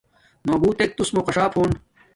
نݸ بُݸتݵک تُسمݸ قݽݳپ ہݸن.